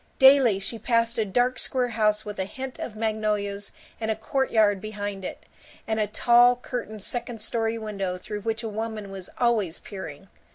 Daily she passed a dark square house with a hint of magnolias and a courtyard behind it, and a tall curtained second story window through which a woman was always peering.